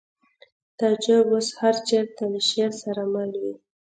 تعجب اوس هر چېرته له شعر سره مل وي